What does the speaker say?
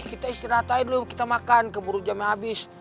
kita istirahat aja dulu kita makan keburu jamnya habis